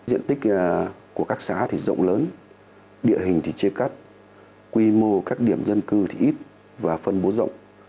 diện tích của các xã thì rộng lớn địa hình thì chia cắt quy mô các điểm dân cư thì ít và phân bố rộng